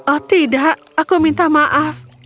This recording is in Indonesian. oh tidak aku minta maaf